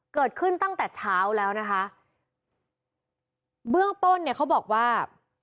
เกิดขึ้นตั้งแต่เช้าแล้วนะคะเบื้องต้นเนี่ยเขาบอกว่า